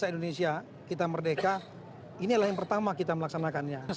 ini adalah yang pertama kita melaksanakannya